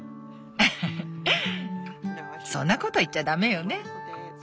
フフッそんなこと言っちゃ駄目よね。